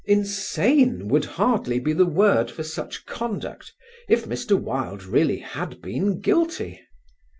Insane would hardly be the word for such conduct, if Mr. Wilde really had been guilty.